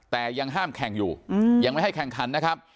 แต่ยังห้ามแข่งอยู่ยังไม่ให้แข่งขันนะครับ